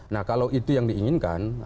nah kalau itu yang diinginkan